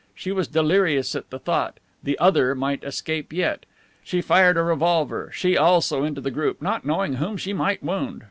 She was delirious at the thought "The Other" might escape yet. She fired a revolver, she also, into the group, not knowing whom she might wound.